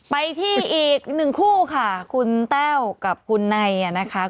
ไปที่อีกหนึ่งคู่ค่ะคุณแต้วกับคุณไนนะคะ